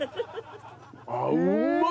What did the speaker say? ああうまい！